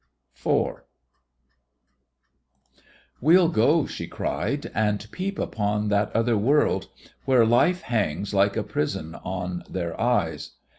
4 "We'll go," she cried, "and peep upon that other world where life hangs like a prison on their eyes!"